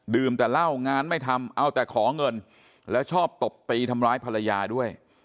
แต่เหล้างานไม่ทำเอาแต่ขอเงินแล้วชอบตบตีทำร้ายภรรยาด้วย